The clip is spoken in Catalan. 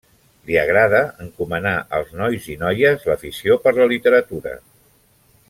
Li agrada encomanar als nois i noies l'afició per la literatura.